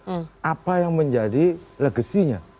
untuk menurut saya itu adalah hal yang menjadi legasinya